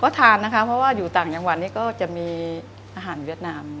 ก็ทานนะคะเพราะว่าอยู่ต่างจังหวัดนี้ก็จะมีอาหารเวียดนาม